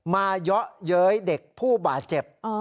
เยาะเย้ยเด็กผู้บาดเจ็บ